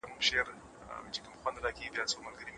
لوستې میندې د ماشومانو د پوستکي ستونزې ژر پېژني.